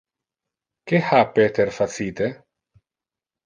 Que ha Peter facite?